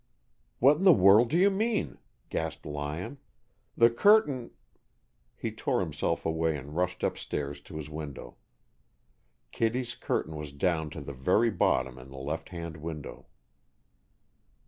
"What in the world do you mean?" gasped Lyon. "The curtain " He tore himself away and rushed upstairs to his window. Kittie's curtain was down to the very bottom in the left hand window.